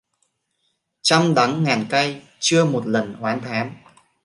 Trăm đắng ngàn cay chưa một lần oán thán